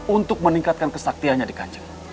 untuk meningkatkan kesaktiannya di kanjeng